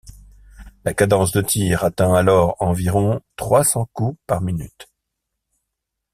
La cadence de tir atteint alors environ trois cents coups par minute.